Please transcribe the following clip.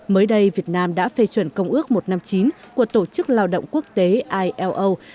mới đây việt nam đã phê chuẩn công ước một trăm năm mươi chín của tổ chức lao động quốc tế ilo